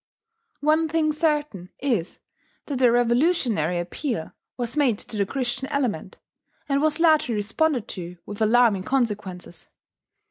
One thing certain is that a revolutionary appeal was made to the Christian element, and was largely responded to with alarming consequences.